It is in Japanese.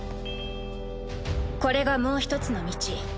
これがもう１つの道。